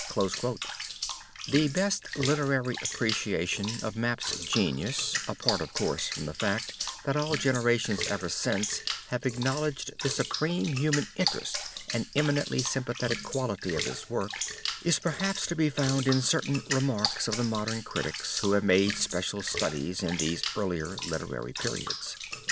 The best literary appreciation of Map's genius, apart, of course, from the fact that all generations ever since have acknowledged the supreme human interest and eminently sympathetic quality of his work, is perhaps to be found in certain remarks of the modern critics who have made special studies in these earlier literary periods.